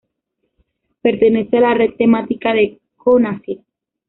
Pertenece a la red temática de Conacyt.